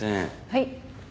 はい。